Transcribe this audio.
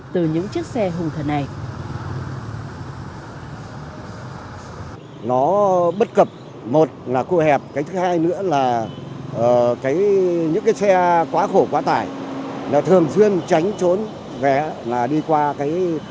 từ những chiếc xe hùng thần này